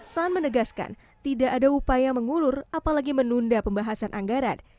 saan menegaskan tidak ada upaya mengulur apalagi menunda pembahasan anggaran